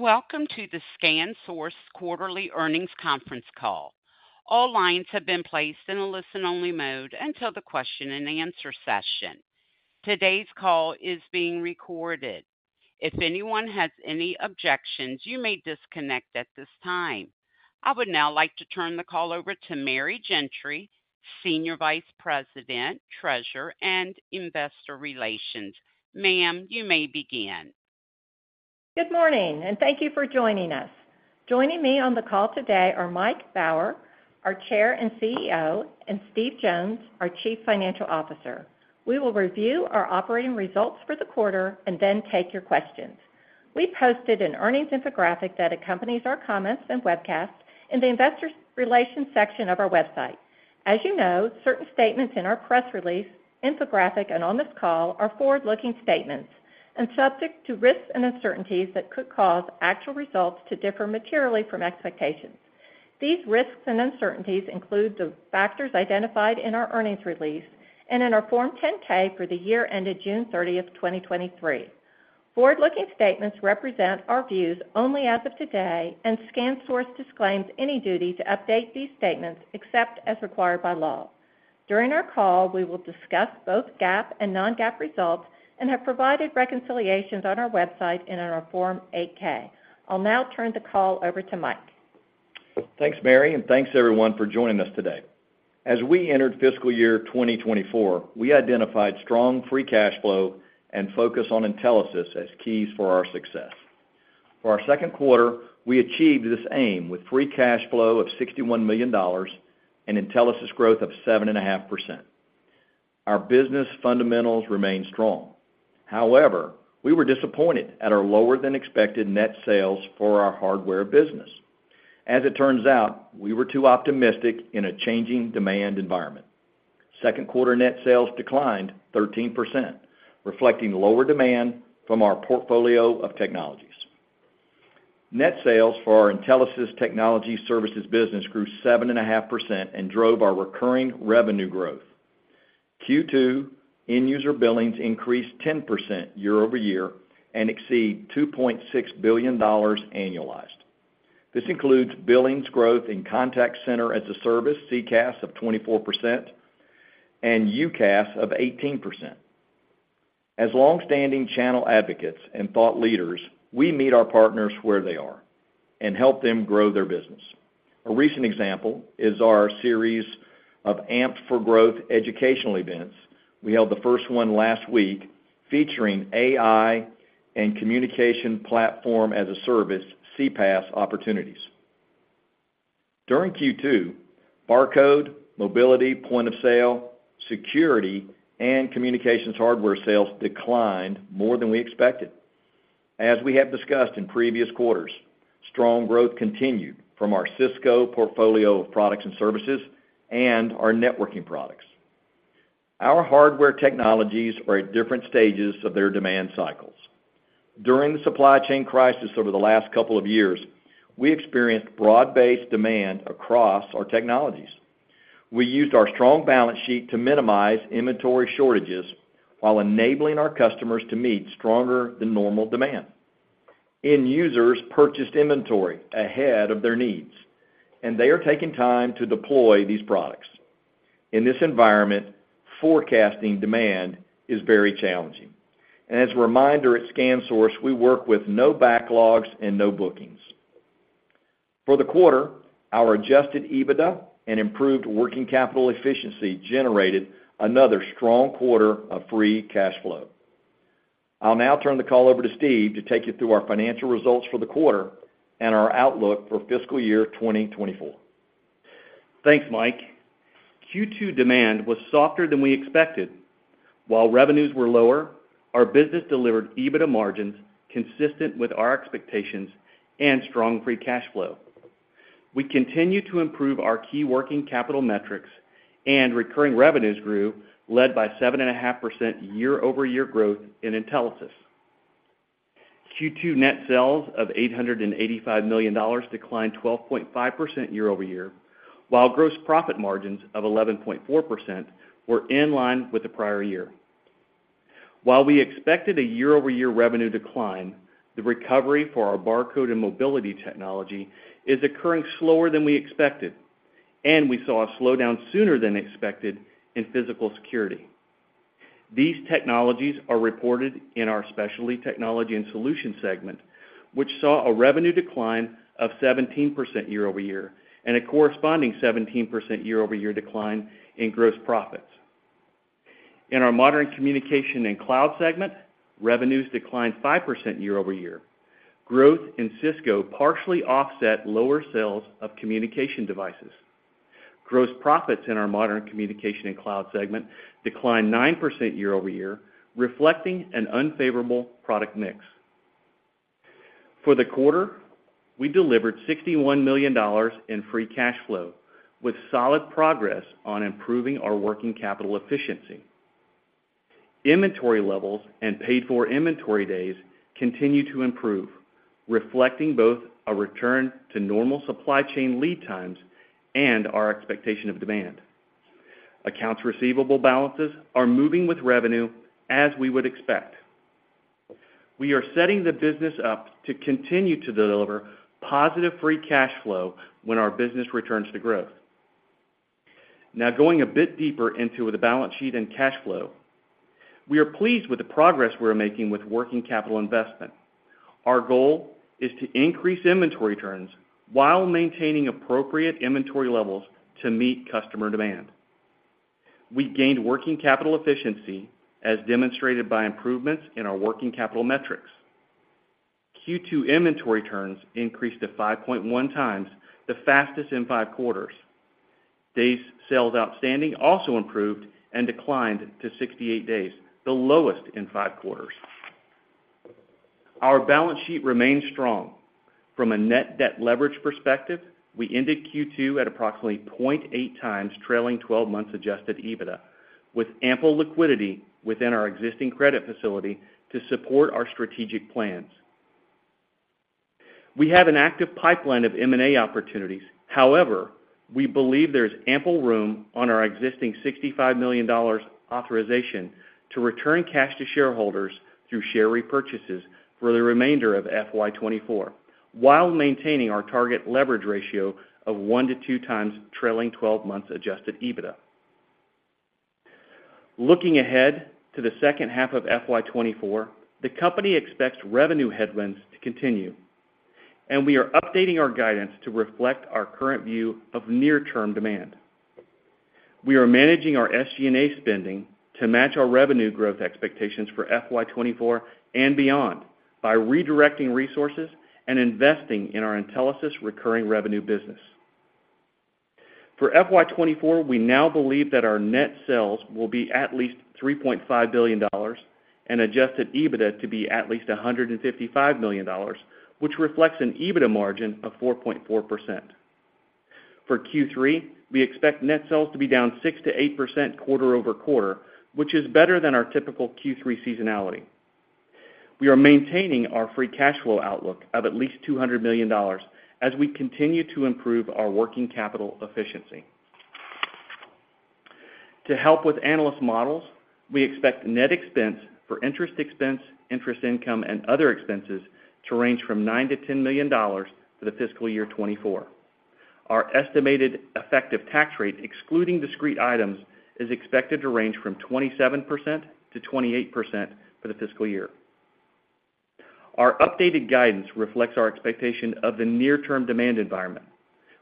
Welcome to the ScanSource Quarterly Earnings Conference Call. All lines have been placed in a listen-only mode until the question-and-answer session. Today's call is being recorded. If anyone has any objections, you may disconnect at this time. I would now like to turn the call over to Mary Gentry, Senior Vice President, Treasurer, and Investor Relations. Ma'am, you may begin. Good morning, and thank you for joining us. Joining me on the call today are Mike Baur, our Chair and CEO, and Steve Jones, our Chief Financial Officer. We will review our operating results for the quarter and then take your questions. We posted an earnings infographic that accompanies our comments and webcast in the Investor Relations section of our website. As you know, certain statements in our press release, infographic, and on this call are forward-looking statements and subject to risks and uncertainties that could cause actual results to differ materially from expectations. These risks and uncertainties include the factors identified in our earnings release and in our Form 10-K for the year ended June 30, 2023. Forward-looking statements represent our views only as of today, and ScanSource disclaims any duty to update these statements except as required by law. During our call, we will discuss both GAAP and Non-GAAP results and have provided reconciliations on our website and in our Form 8-K. I'll now turn the call over to Mike. Thanks, Mary, and thanks, everyone, for joining us today. As we entered fiscal year 2024, we identified strong free cash flow and focus on Intelisys as keys for our success. For our second quarter, we achieved this aim with free cash flow of $61 million and Intelisys growth of 7.5%. Our business fundamentals remain strong. However, we were disappointed at our lower-than-expected net sales for our hardware business. As it turns out, we were too optimistic in a changing demand environment. Second quarter net sales declined 13%, reflecting lower demand from our portfolio of technologies. Net sales for our Intelisys technology services business grew 7.5% and drove our recurring revenue growth. Q2 end user billings increased 10% year-over-year and exceed $2.6 billion annualized. This includes billings growth in Contact Center as a Service, CCaaS, of 24% and UCaaS of 18%. As longstanding channel advocates and thought leaders, we meet our partners where they are and help them grow their business. A recent example is our series of AMP'd for Growth educational events. We held the first one last week, featuring AI and Communication Platform as a Service, CPaaS, opportunities. During Q2, barcode, mobility, point of sale, security, and communications hardware sales declined more than we expected. As we have discussed in previous quarters, strong growth continued from our Cisco portfolio of products and services and our networking products. Our hardware technologies are at different stages of their demand cycles. During the supply chain crisis over the last couple of years, we experienced broad-based demand across our technologies. We used our strong balance sheet to minimize inventory shortages while enabling our customers to meet stronger than normal demand. End users purchased inventory ahead of their needs, and they are taking time to deploy these products. In this environment, forecasting demand is very challenging. As a reminder, at ScanSource, we work with no backlogs and no bookings. For the quarter, our adjusted EBITDA and improved working capital efficiency generated another strong quarter of free cash flow. I'll now turn the call over to Steve to take you through our financial results for the quarter and our outlook for fiscal year 2024. Thanks, Mike. Q2 demand was softer than we expected. While revenues were lower, our business delivered EBITDA margins consistent with our expectations and strong free cash flow. We continue to improve our key working capital metrics, and recurring revenues grew, led by 7.5% year-over-year growth in Intelisys. Q2 net sales of $885 million declined 12.5% year-over-year, while gross profit margins of 11.4% were in line with the prior year. While we expected a year-over-year revenue decline, the recovery for our barcode and mobility technology is occurring slower than we expected, and we saw a slowdown sooner than expected in physical security. These technologies are reported in our Specialty Technology Solutions segment, which saw a revenue decline of 17% year-over-year and a corresponding 17% year-over-year decline in gross profits. In our Modern Communication and Cloud segment, revenues declined 5% year-over-year. Growth in Cisco partially offset lower sales of communication devices. Gross profits in our Modern Communications and Cloud segment declined 9% year-over-year, reflecting an unfavorable product mix. For the quarter, we delivered $61 million in free cash flow, with solid progress on improving our working capital efficiency. Inventory levels and paid-for inventory days continue to improve, reflecting both a return to normal supply chain lead times and our expectation of demand. Accounts receivable balances are moving with revenue as we would expect. We are setting the business up to continue to deliver positive free cash flow when our business returns to growth. Now, going a bit deeper into the balance sheet and cash flow, we are pleased with the progress we are making with working capital investment. Our goal is to increase inventory turns while maintaining appropriate inventory levels to meet customer demand. We gained working capital efficiency, as demonstrated by improvements in our working capital metrics. Q2 inventory turns increased to 5.1 times, the fastest in five quarters. Days sales outstanding also improved and declined to 68 days, the lowest in five quarters. Our balance sheet remains strong. From a net debt leverage perspective, we ended Q2 at approximately 0.8 times trailing twelve months Adjusted EBITDA, with ample liquidity within our existing credit facility to support our strategic plans. We have an active pipeline of M&A opportunities, however, we believe there's ample room on our existing $65 million authorization to return cash to shareholders through share repurchases for the remainder of FY 2024, while maintaining our target leverage ratio of 1-2 times trailing twelve months Adjusted EBITDA. Looking ahead to the second half of FY 2024, the company expects revenue headwinds to continue, and we are updating our guidance to reflect our current view of near-term demand. We are managing our SG&A spending to match our revenue growth expectations for FY 2024 and beyond by redirecting resources and investing in our Intelisys recurring revenue business. For FY 2024, we now believe that our net sales will be at least $3.5 billion and adjusted EBITDA to be at least $155 million, which reflects an EBITDA margin of 4.4%. For Q3, we expect net sales to be down 6%-8% quarter-over-quarter, which is better than our typical Q3 seasonality. We are maintaining our free cash flow outlook of at least $200 million as we continue to improve our working capital efficiency. To help with analyst models, we expect net expense for interest expense, interest income, and other expenses to range from $9 million-$10 million for the fiscal year 2024. Our estimated effective tax rate, excluding discrete items, is expected to range from 27%-28% for the fiscal year. Our updated guidance reflects our expectation of the near-term demand environment.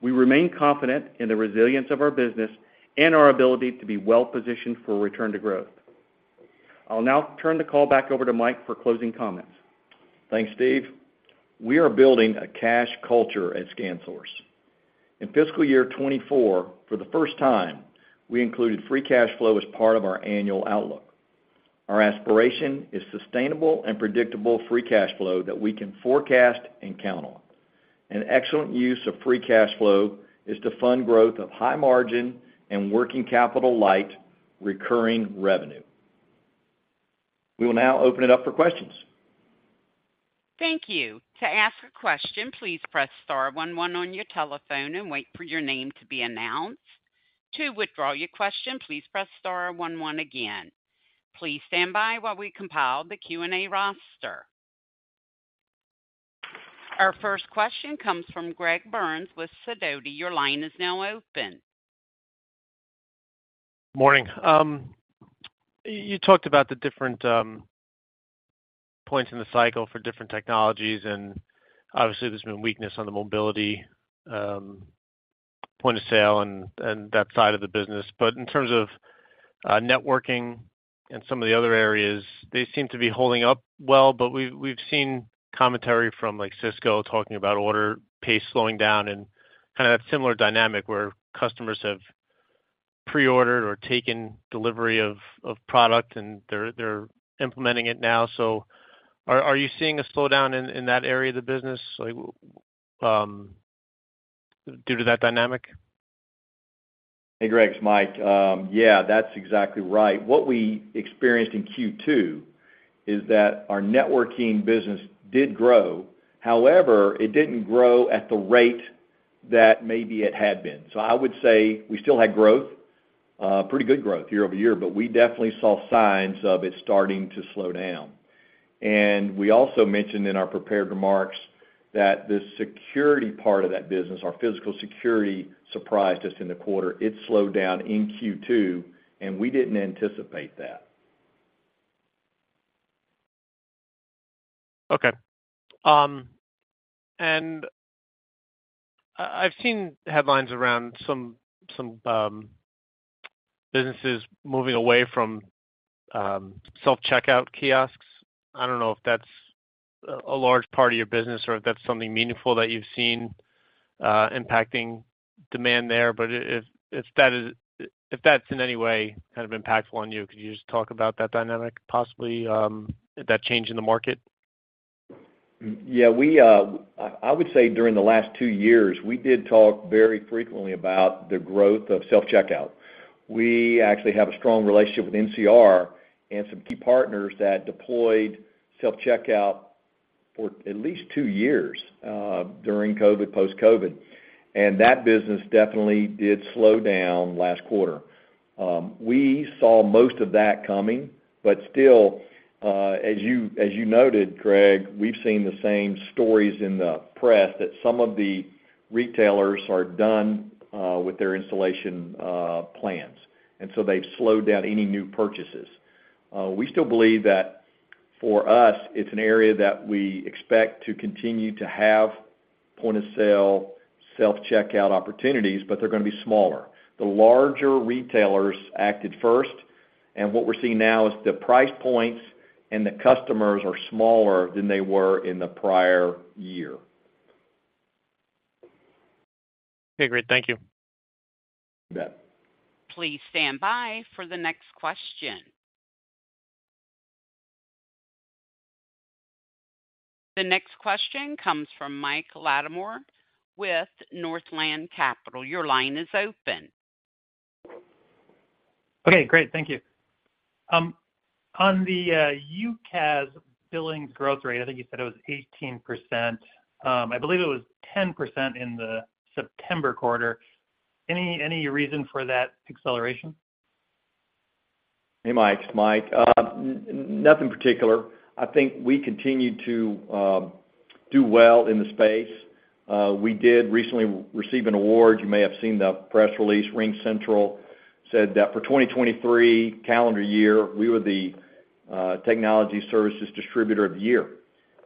We remain confident in the resilience of our business and our ability to be well-positioned for return to growth. I'll now turn the call back over to Mike for closing comments. Thanks, Steve. We are building a cash culture at ScanSource. In fiscal year 2024, for the first time, we included free cash flow as part of our annual outlook. Our aspiration is sustainable and predictable free cash flow that we can forecast and count on. An excellent use of free cash flow is to fund growth of high margin and working capital light recurring revenue. We will now open it up for questions. Thank you. To ask a question, please press star one, one on your telephone and wait for your name to be announced. To withdraw your question, please press star one, one again. Please stand by while we compile the Q&A roster. Our first question comes from Greg Burns with Sidoti. Your line is now open. Morning. You talked about the different points in the cycle for different technologies, and obviously, there's been weakness on the mobility point of sale and that side of the business. But in terms of networking and some of the other areas, they seem to be holding up well, but we've seen commentary from, like, Cisco talking about order pace slowing down and kind of that similar dynamic where customers have pre-ordered or taken delivery of product, and they're implementing it now. So are you seeing a slowdown in that area of the business, like, due to that dynamic? Hey, Greg, it's Mike. Yeah, that's exactly right. What we experienced in Q2 is that our networking business did grow. However, it didn't grow at the rate that maybe it had been. So I would say we still had growth, pretty good growth year-over-year, but we definitely saw signs of it starting to slow down. And we also mentioned in our prepared remarks that the security part of that business, our physical security, surprised us in the quarter. It slowed down in Q2, and we didn't anticipate that. Okay. And I've seen headlines around some businesses moving away from self-checkout kiosks. I don't know if that's a large part of your business or if that's something meaningful that you've seen impacting demand there, but if that is, if that's in any way kind of impactful on you, could you just talk about that dynamic, possibly, that change in the market? Yeah, we would say during the last two years, we did talk very frequently about the growth of self-checkout. We actually have a strong relationship with NCR and some key partners that deployed self-checkout for at least two years during COVID, post-COVID, and that business definitely did slow down last quarter. We saw most of that coming, but still, as you noted, Greg, we've seen the same stories in the press, that some of the retailers are done with their installation plans, and so they've slowed down any new purchases. We still believe that for us, it's an area that we expect to continue to have point-of-sale, self-checkout opportunities, but they're going to be smaller. The larger retailers acted first, and what we're seeing now is the price points and the customers are smaller than they were in the prior year. Okay, great. Thank you. You bet. Please stand by for the next question. The next question comes from Mike Latimore with Northland Capital. Your line is open. Okay, great. Thank you. On the UCaaS billing growth rate, I think you said it was 18%. I believe it was 10% in the September quarter. Any reason for that acceleration? Hey, Mike, it's Mike. Nothing particular. I think we continued to do well in the space. We did recently receive an award. You may have seen the press release. RingCentral said that for 2023 calendar year, we were the technology services distributor of the year.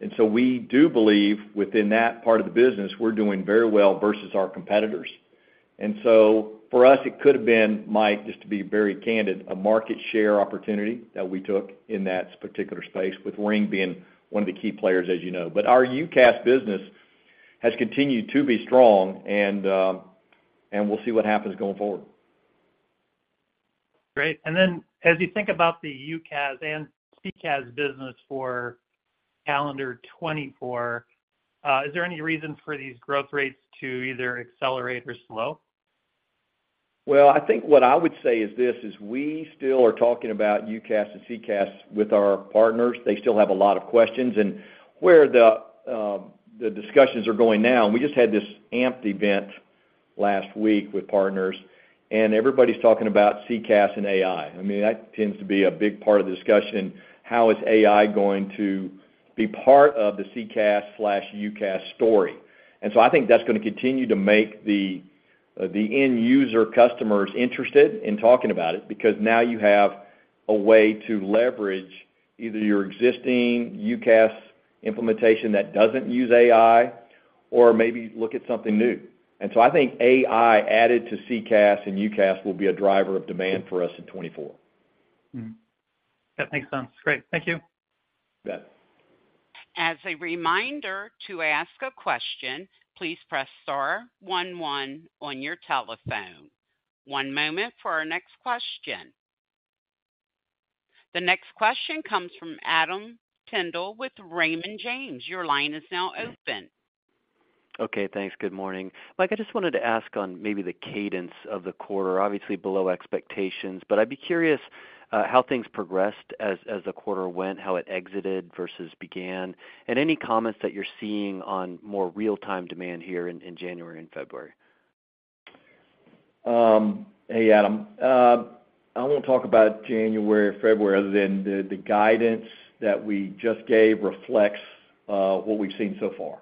And so we do believe within that part of the business, we're doing very well versus our competitors. And so for us, it could have been, Mike, just to be very candid, a market share opportunity that we took in that particular space, with Ring being one of the key players, as you know. But our UCaaS business has continued to be strong, and, and we'll see what happens going forward. Great. And then as you think about the UCaaS and CCaaS business for calendar 2024, is there any reason for these growth rates to either accelerate or slow? Well, I think what I would say is this, is we still are talking about UCaaS and CCaaS with our partners. They still have a lot of questions, and where the, the discussions are going now, and we just had this AMP'd event last week with partners, and everybody's talking about CCaaS and AI. I mean, that tends to be a big part of the discussion. How is AI going to be part of the CCaaS/UCaaS story? And so I think that's going to continue to make the, the end user customers interested in talking about it, because now you have a way to leverage either your existing UCaaS implementation that doesn't use AI, or maybe look at something new. And so I think AI added to CCaaS and UCaaS will be a driver of demand for us in 2024. Mm-hmm. Yeah, thanks, Tom. Great. Thank you. You bet. As a reminder, to ask a question, please press star one one on your telephone. One moment for our next question. The next question comes from Adam Tindle with Raymond James. Your line is now open. Okay, thanks. Good morning. Mike, I just wanted to ask on maybe the cadence of the quarter, obviously below expectations, but I'd be curious how things progressed as the quarter went, how it exited versus began, and any comments that you're seeing on more real-time demand here in January and February. Hey, Adam. I don't want to talk about January or February other than the guidance that we just gave reflects what we've seen so far.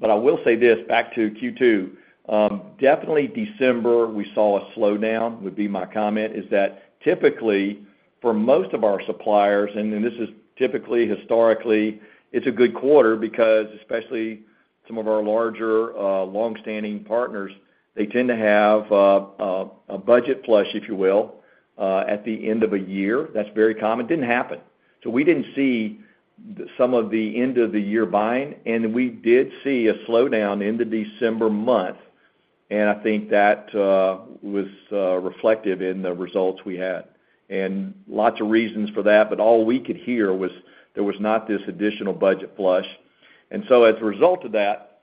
But I will say this, back to Q2, definitely December, we saw a slowdown, would be my comment, is that typically, for most of our suppliers, and then this is typically, historically, it's a good quarter because especially some of our larger long-standing partners, they tend to have a budget flush, if you will, at the end of a year. That's very common. Didn't happen. So we didn't see some of the end-of-the-year buying, and we did see a slowdown in the December month, and I think that was reflective in the results we had. And lots of reasons for that, but all we could hear was there was not this additional budget flush. As a result of that,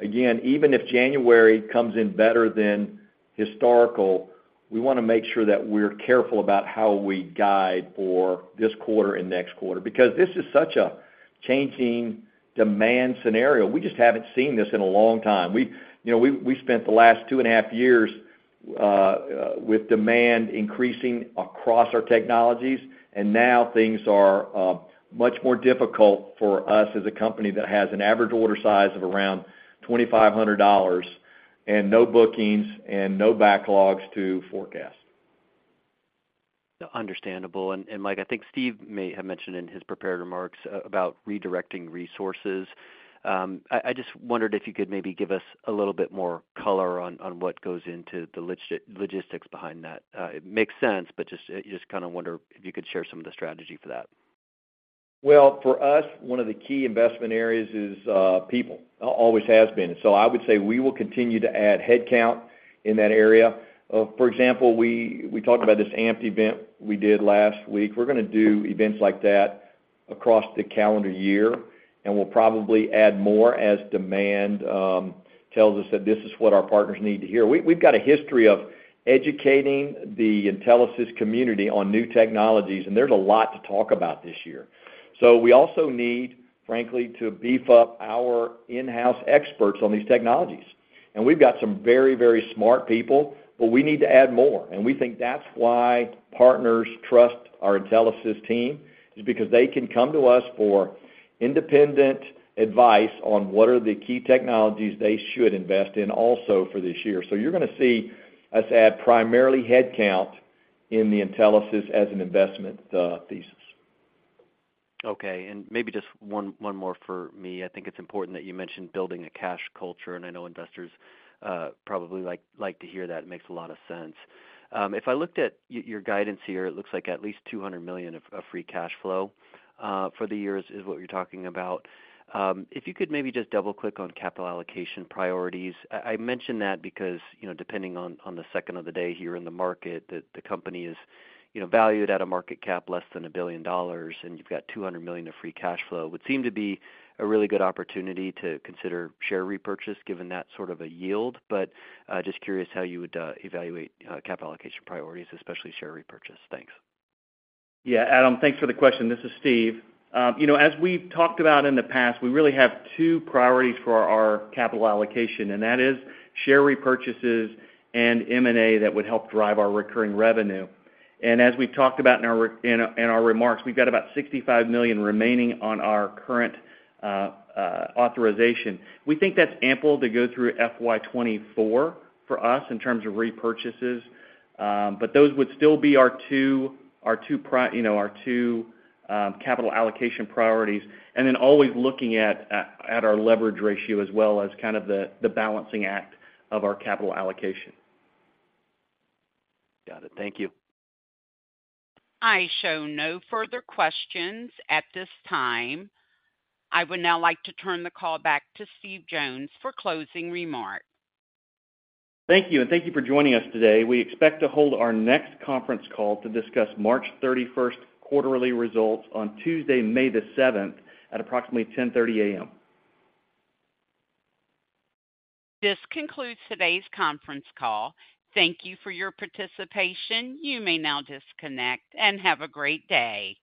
again, even if January comes in better than historical, we want to make sure that we're careful about how we guide for this quarter and next quarter, because this is such a changing demand scenario. We just haven't seen this in a long time. We, you know, spent the last 2.5 years with demand increasing across our technologies, and now things are much more difficult for us as a company that has an average order size of around $2,500 and no bookings and no backlogs to forecast. Understandable. And Mike, I think Steve may have mentioned in his prepared remarks about redirecting resources. I just wondered if you could maybe give us a little bit more color on what goes into the logistics behind that. It makes sense, but just, you just kind of wonder if you could share some of the strategy for that. Well, for us, one of the key investment areas is people. Always has been. So I would say we will continue to add headcount in that area. For example, we talked about this AMP'd event we did last week. We're going to do events like that across the calendar year, and we'll probably add more as demand tells us that this is what our partners need to hear. We've got a history of-... educating the Intelisys community on new technologies, and there's a lot to talk about this year. So we also need, frankly, to beef up our in-house experts on these technologies. And we've got some very, very smart people, but we need to add more, and we think that's why partners trust our Intelisys team, is because they can come to us for independent advice on what are the key technologies they should invest in also for this year. So you're gonna see us add primarily headcount in the Intelisys as an investment thesis. Okay, and maybe just one more for me. I think it's important that you mentioned building a cash culture, and I know investors probably like to hear that. It makes a lot of sense. If I looked at your guidance here, it looks like at least $200 million of free cash flow for the year is what you're talking about. If you could maybe just double-click on capital allocation priorities. I mention that because, you know, depending on the second of the day here in the market, the company is, you know, valued at a market cap less than $1 billion, and you've got $200 million of free cash flow. Would seem to be a really good opportunity to consider share repurchase, given that sort of a yield. Just curious how you would evaluate capital allocation priorities, especially share repurchase. Thanks. Yeah, Adam, thanks for the question. This is Steve. You know, as we've talked about in the past, we really have two priorities for our capital allocation, and that is share repurchases and M&A that would help drive our recurring revenue. And as we've talked about in our remarks, we've got about $65 million remaining on our current authorization. We think that's ample to go through FY 2024 for us in terms of repurchases. But those would still be our two capital allocation priorities, and then always looking at our leverage ratio as well as kind of the balancing act of our capital allocation. Got it. Thank you. I show no further questions at this time. I would now like to turn the call back to Steve Jones for closing remarks. Thank you, and thank you for joining us today. We expect to hold our next conference call to discuss March 31st quarterly results on Tuesday, May the 7th, at approximately 10:30 A.M. This concludes today's conference call. Thank you for your participation. You may now disconnect and have a great day.